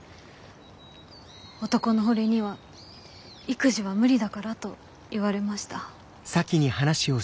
男の俺には育児は無理だからと言われました。